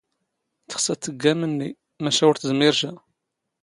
ⵜⵅⵙ ⴰⴷ ⵜⴳⴳ ⴰⵎⵏⵏⵉ, ⵎⴰⵛⴰ ⵓⵔ ⵜⵣⵎⵉⵔ ⵛⴰ.